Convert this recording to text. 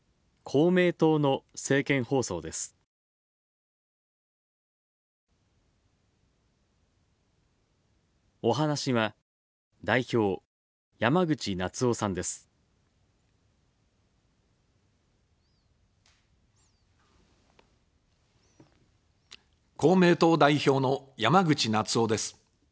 公明党代表の山口那津男です。